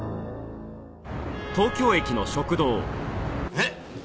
えっ？